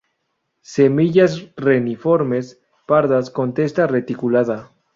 Semillas reniformes, pardas, con testa reticulada.